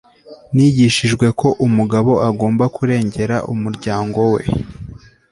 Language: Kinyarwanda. nigishijwe ko umugabo agomba kurengera umuryango we